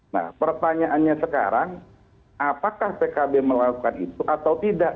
nah pertanyaannya sekarang apakah pkb melakukan itu atau tidak